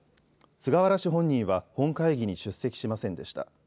菅原氏本人は本会議に出席しませんでした。